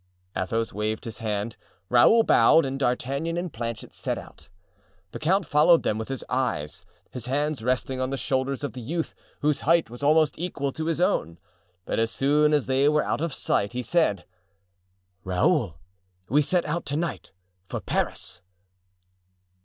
Athos waved his hand, Raoul bowed, and D'Artagnan and Planchet set out. The count followed them with his eyes, his hands resting on the shoulders of the youth, whose height was almost equal to his own; but as soon as they were out of sight he said: "Raoul, we set out to night for Paris."